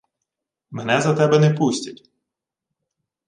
— Мене за тебе не пустять.